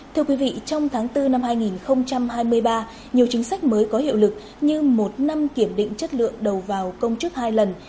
thưa quý vị trong tháng bốn năm hai nghìn hai mươi ba nhiều chính sách mới có hiệu lực như một năm kiểm định chất lượng đầu vào công chức hai lần